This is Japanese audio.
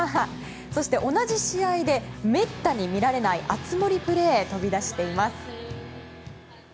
そして、同じ試合でめったに見られない熱盛プレーが飛び出しています。